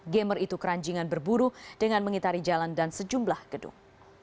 gamer itu keranjingan berburu dengan mengitari jalan dan sejumlah gedung